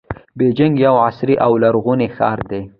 بیجینګ یو عصري او لرغونی ښار دی.